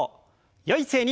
よい姿勢に。